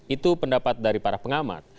itu pendapat dari para pengamat